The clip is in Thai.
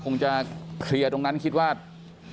คุณภาคภูมิพยายามอยู่ในจุดที่ปลอดภัยด้วยนะคะ